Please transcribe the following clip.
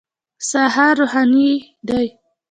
سهار روښنايي دی.